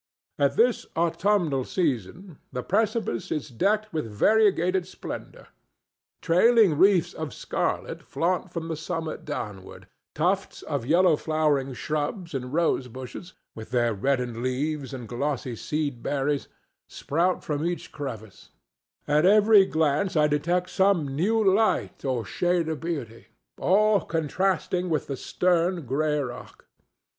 At this autumnal season the precipice is decked with variegated splendor. Trailing wreaths of scarlet flaunt from the summit downward; tufts of yellow flowering shrubs and rose bushes, with their reddened leaves and glossy seed berries, sprout from each crevice; at every glance I detect some new light or shade of beauty, all contrasting with the stern gray rock.